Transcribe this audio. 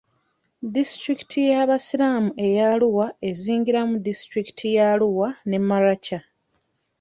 Disitulikiti y'Abasiraamu ey'Arua ezingiramu disitulikiti ye Arua ne Maracha.